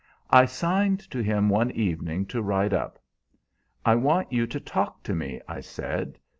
"I signed to him one evening to ride up. 'I want you to talk to me,' I said.